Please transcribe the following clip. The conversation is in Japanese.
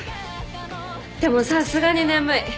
でもさすがに眠い。